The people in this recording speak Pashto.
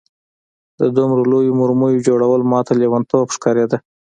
د دومره لویو مرمیو جوړول ماته لېونتوب ښکارېده